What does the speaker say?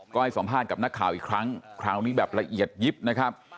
ก็ให้สัมภาษณ์กับนักข่าวอีกครั้งคราวนี้แบบละเอียดยิบนะครับ